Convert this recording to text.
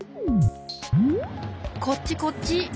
こっちこっち！